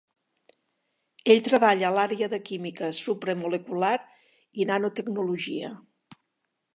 Ell treballa a l'àrea de química supramolecular i nanotecnologia.